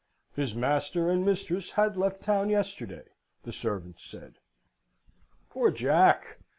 "His master and mistress had left town yesterday," the servant said. "Poor Jack!